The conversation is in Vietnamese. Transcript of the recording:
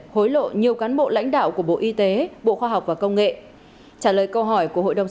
hối lộ nhiều cán bộ lãnh đạo của bộ y tế bộ khoa học và công nghệ trả lời câu hỏi của hội đồng